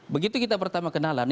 begitu kita pertama kenalan